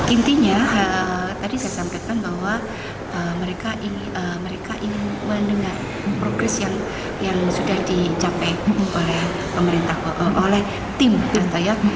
intinya tadi saya sampaikan bahwa mereka ingin mendengar progres yang sudah dijalankan